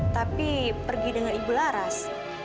tapi pergi dengan ibu laras